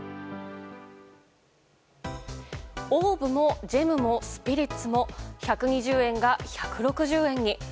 オーブもジェムもスピリッツも１２０円が１６０円に。